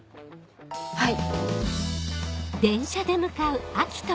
はい。